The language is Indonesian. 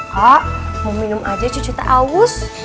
pak mau minum aja cucu tak aus